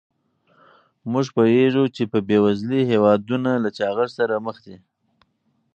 موږ پوهیږو چې بې وزلي هېوادونه له چاغښت سره مخ دي.